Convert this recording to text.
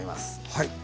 はい。